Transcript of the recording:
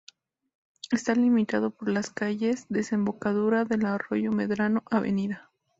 Está limitado por las calles Desembocadura del Arroyo Medrano, Av.